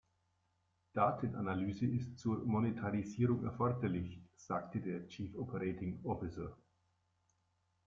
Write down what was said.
Datenanalyse ist zur Monetarisierung erforderlich, sagte der Chief Operating Officer.